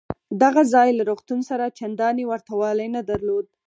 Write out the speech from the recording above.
دغه ځای له روغتون سره چندانې ورته والی نه درلود.